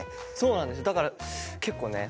だから結構ね。